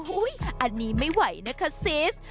อันนี้ไม่ไหวนะคะซิส